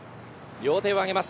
両手を挙げます。